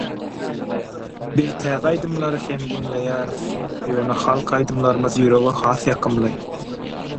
biz täze aýdymlary hem diňleýäris, ýöne halk aýdymlarymyz ýürege has ýakymly.